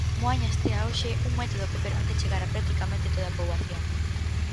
Moaña estrea hoxe un método que permite chegar a practicamente toda a poboación.